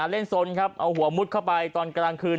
เล่นสนครับเอาหัวมุดเข้าไปตอนกลางคืน